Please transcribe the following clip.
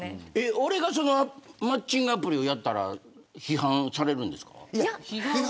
俺が、そのマッチングアプリをやったら批判されるんですか。